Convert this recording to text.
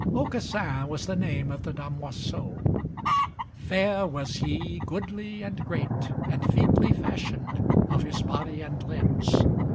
Aucassin was the name of the damoiseau: fair was he, goodly, and great, and featly fashioned of his body, and limbs.